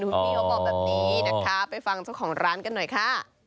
คุณพี่เขาบอกแบบนี้นะคะไปฟังเจ้าของร้านกันหน่อยค่ะ